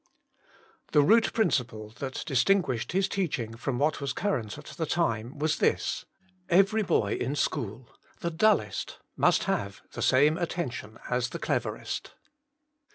The root principle that distinguished his teaching from what w^as current at the time was this : Every boy in school, the dullest, must have the same attention as the clev erest.